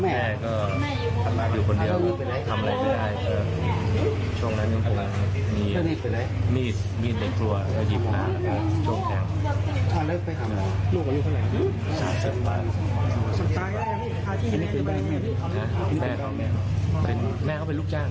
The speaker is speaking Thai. แม่เขาเป็นลูกจ้าง